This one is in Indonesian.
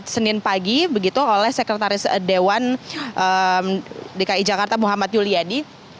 senin pagi begitu oleh sekretaris dewan dki jakarta muhammad yuliadi